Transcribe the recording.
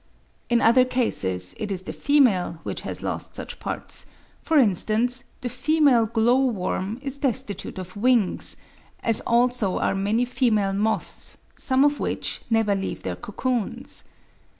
In other cases it is the female which has lost such parts; for instance, the female glow worm is destitute of wings, as also are many female moths, some of which never leave their cocoons.